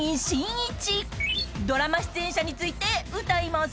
［ドラマ出演者について歌います］